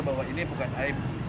bahwa ini bukan air